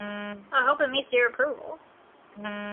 I hope it meets your approval?